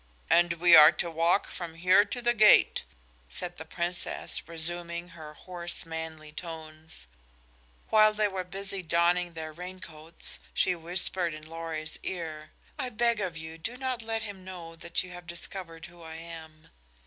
"And we are to walk from here to the gate," said the Princess, resuming her hoarse, manly tones. While they were busy donning their rain coats, she whispered in Lorry's ear: "I beg of you, do not let him know that you have discovered who I am."